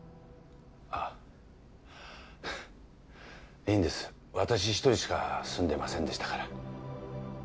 いいんです私一人しか住んでませんでしたから